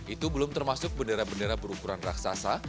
itu belum termasuk bendera bendera berukuran raksasa